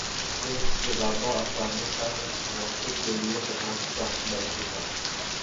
کہ جوابا افغانستان ان عناصر کے لیے پناہ گاہ بن چکا